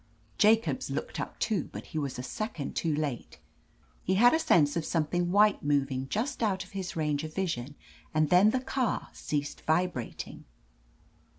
Jacobs looked up, too, but he was a second too late. He had a sense of some thing white moving just out of his range of vision, and then the car ceased vibrating.